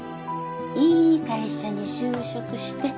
いい会社に就職して